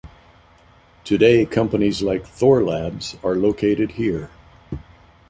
Today, companies like Thorlabs, are located here.